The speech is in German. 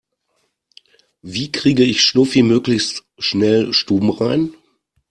Wie kriege ich Schnuffi möglichst schnell stubenrein?